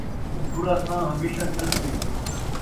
ادھورا تھاں ہمیشاں چھلکدے